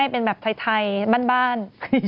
เป็นแบบไทยบ้าน